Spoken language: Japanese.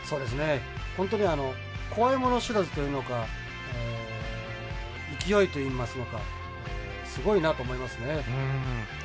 本当に怖いもの知らずというのか勢いといいますのかすごいなと思いますね。